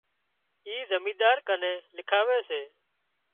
اِي زمينۮار ڪن لکاوي سي